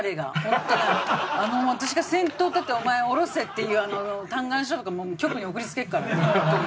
私が先頭に立ってお前を降ろせ！っていう嘆願書とかもう局に送りつけるからな本当に。